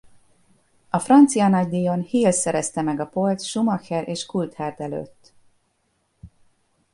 A francia nagydíjon Hill szerezte meg a pole-t Schumacher és Coulthard előtt.